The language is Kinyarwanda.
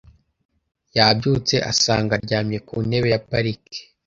Yabyutse asanga aryamye ku ntebe ya parike.